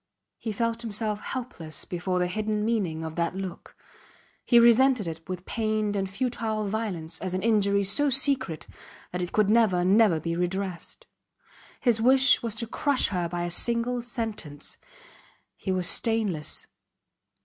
He felt himself helpless before the hidden meaning of that look; he resented it with pained and futile violence as an injury so secret that it could never, never be redressed. His wish was to crush her by a single sentence. He was stainless.